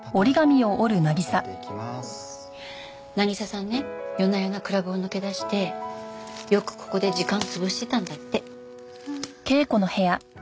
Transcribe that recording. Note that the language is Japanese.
渚さんね夜な夜なクラブを抜け出してよくここで時間潰してたんだって。